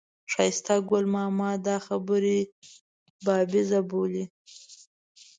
ښایسته ګل ماما دا خبرې بابیزه بولي.